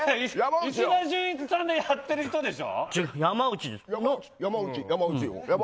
石田純一さんやってる人でしょ！